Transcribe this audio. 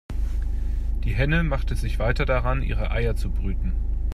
Die Henne machte sich weiter daran, ihre Eier zu brüten.